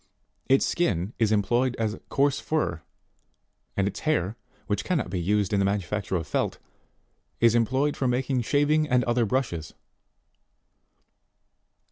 Its skin is employed as coarse fur, and its hair, which cannot be used in the manufacture of felt, is employed for making shaving and other brushes 14.